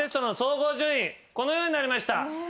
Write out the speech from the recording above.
このようになりました。